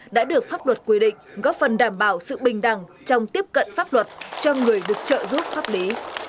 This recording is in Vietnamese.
đã được pháp luật quy định góp phần đảm bảo sự bình đẳng trong tiếp cận pháp luật cho người được trợ giúp pháp lý